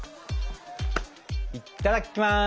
いただきます！